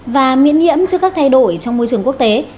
và miễn nhiễm trước các thay đổi trong môi trường quốc tế